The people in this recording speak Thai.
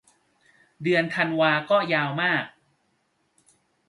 เดือนธันวาก็ยาวมาก